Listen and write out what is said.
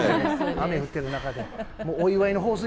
雨降ってる中で。